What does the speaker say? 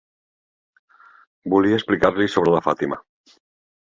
Volia explicar-li sobre la Fatima.